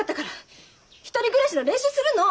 １人暮らしの練習するの！